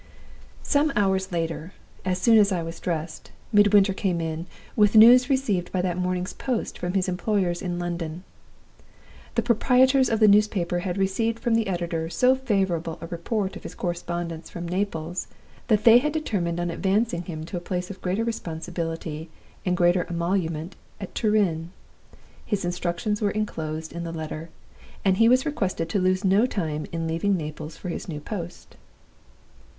"Some hours later, as soon as I was dressed, Midwinter came in, with news received by that morning's post from his employers in London. The proprietors of the newspaper had received from the editor so favorable a report of his correspondence from Naples that they had determined on advancing him to a place of greater responsibility and greater emolument at Turin. His instructions were inclosed in the letter, and he was requested to lose no time in leaving Naples for his new post.